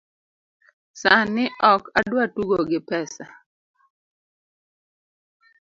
Sani ok adwa tugo gi pesa